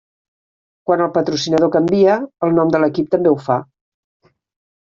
Quan el patrocinador canvia, el nom de l'equip també ho fa.